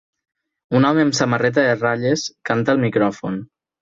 Un home amb samarreta de ratlles canta al micròfon.